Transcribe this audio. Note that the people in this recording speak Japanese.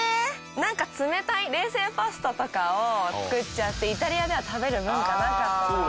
なんか冷たい冷製パスタとかを作っちゃってイタリアでは食べる文化なかったとか。